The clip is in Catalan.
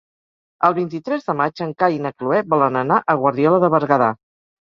El vint-i-tres de maig en Cai i na Cloè volen anar a Guardiola de Berguedà.